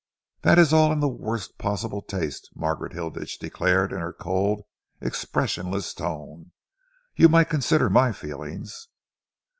"This is all in the worst possible taste," Margaret Hilditch declared, in her cold, expressionless tone. "You might consider my feelings."